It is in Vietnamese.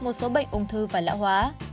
một số bệnh ung thư và lãng phí